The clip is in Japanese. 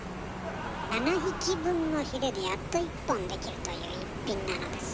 ７匹分のヒレでやっと１本できるという一品なのですよ。